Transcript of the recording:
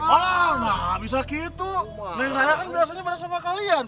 oh gak bisa gitu raya kan biasanya bareng sama kalian